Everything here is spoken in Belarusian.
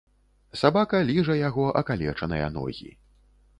Сабака ліжа яго акалечаныя ногі.